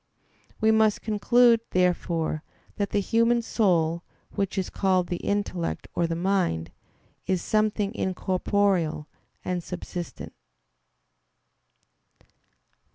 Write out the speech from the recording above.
We must conclude, therefore, that the human soul, which is called the intellect or the mind, is something incorporeal and subsistent.